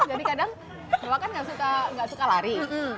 jadi kadang rumah kan gak suka lari